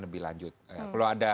lebih lanjut kalau ada